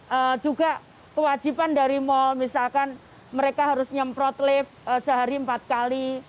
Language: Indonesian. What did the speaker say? kemudian juga kewajiban dari mal misalkan mereka harus nyemprot lift sehari empat kali